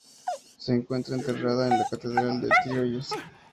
Se encuentra enterrada en la catedral de Troyes.